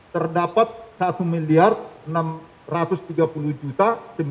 terdapat satu enam ratus tiga puluh juta